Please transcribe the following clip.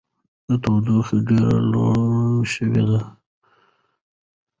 تودوخه ډېره لوړه شوې ده.